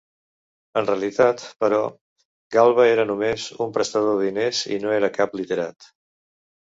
En realitat, però, Galba era només un prestador de diners i no era cap literat.